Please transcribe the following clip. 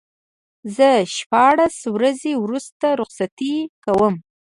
زه شپاړس ورځې وروسته رخصتي کوم.